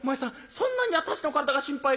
そんなに私の体が心配かい？」。